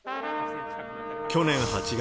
去年８月、